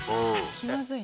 気まずい。